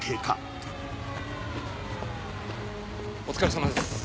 お疲れさまです。